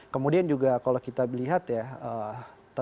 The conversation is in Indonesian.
kemudian juga kalau kita lihat ya